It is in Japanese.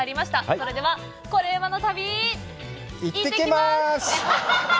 それでは、コレうまの旅、行ってきます！